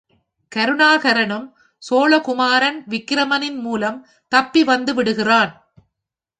கருணாகரனும் சோழகுமாரன் விக்கிரமனின் மூலம் தப்பி வந்துவிடுகிறான்.